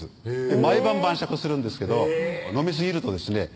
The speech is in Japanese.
毎晩晩酌をするんですけど飲みすぎるとですね